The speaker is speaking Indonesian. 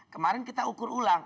kemarin kita ukur ulang